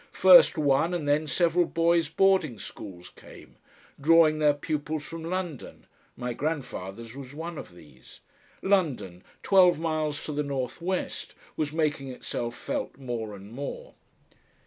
First one and then several boys' boarding schools came, drawing their pupils from London, my grandfather's was one of these. London, twelve miles to the north west, was making itself felt more and more.